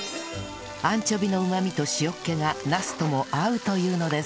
アンチョビのうまみと塩っ気がナスとも合うというのです